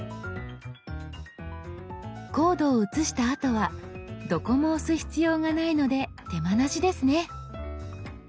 コードを写したあとはどこも押す必要がないので手間なしですね。